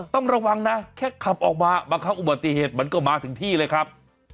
ต้องระวังนะแค่ขับออกมาบางครั้งอุบัติเหตุมันก็มาถึงที่เลยครับ